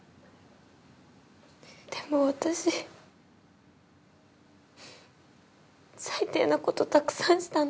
でも私最低なことたくさんしたの。